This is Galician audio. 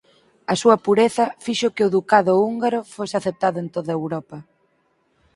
A súa pureza fixo que o ducado húngaro fose aceptado en toda Europa.